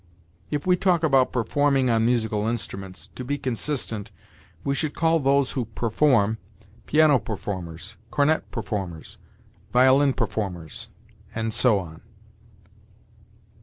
If we talk about performing on musical instruments, to be consistent, we should call those who perform, piano performers, cornet performers, violin performers, and so on.